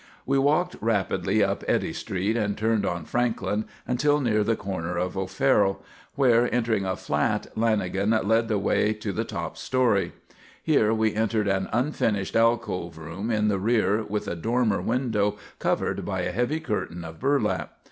We walked rapidly up Eddy Street and turned on Franklin until near the corner of O'Farrell, where, entering a flat, Lanagan led the way to the top story. Here we entered an unfinished alcove room in the rear with a dormer window covered by a heavy curtain of burlap.